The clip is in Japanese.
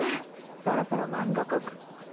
そろそろ漫画描く。